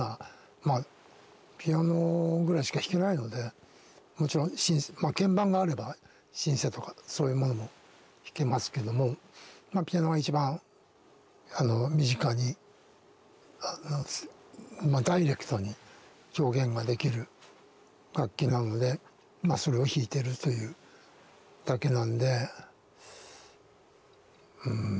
まあピアノぐらいしか弾けないのでもちろん鍵盤があればシンセとかそういうものも弾けますけどもまあピアノが一番身近にダイレクトに表現ができる楽器なのでまあそれを弾いてるというだけなんでうんま